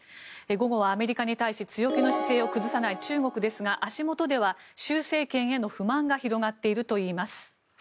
午後はアメリカに対して強気の姿勢を崩さない中国ですが足元では習政権への不満が広がっているといいます。